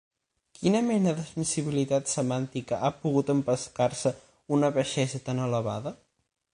Quina mena de sensibilitat semàntica ha pogut empescar-se una baixesa tan elevada?